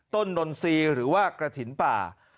นนทรีย์หรือว่ากระถิ่นป่า